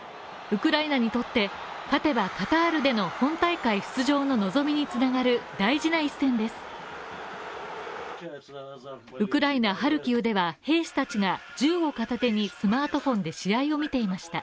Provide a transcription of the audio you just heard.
ウクライナにとって、勝てばカタールでの本大会出場の望みに繋がる大事な一戦ですウクライナ・ハルキウでは、兵士たちが銃を片手にスマートフォンで試合を見ていました。